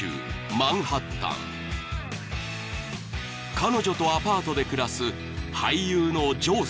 ［彼女とアパートで暮らす］